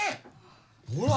ほら。